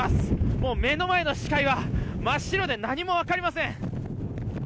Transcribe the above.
もう目の前の視界は真っ白で何も分かりません。